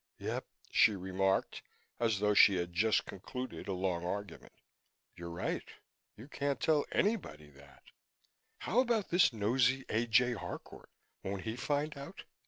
"Yep," she remarked, as though she had just concluded a long argument. "You're right. You can't tell nobody that. How about this nosey A. J. Harcourt? Won't he find out?